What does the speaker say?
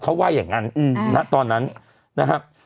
เขาว่าอย่างนั้นณตอนนั้นนะครับ